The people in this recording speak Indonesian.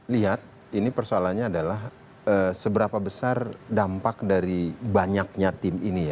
lihat ini persoalannya adalah seberapa besar dampak dari banyaknya tim ini ya